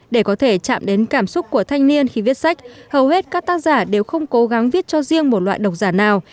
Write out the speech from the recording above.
để có thể chạm đến cảm xúc của thanh niên khi viết sách hầu hết các tác giả đều không cố gắng viết cho riêng một loại độc giả nào